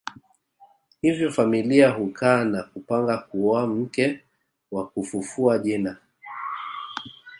Hivyo familia hukaa na kupanga kuoa mke wa kufufua jina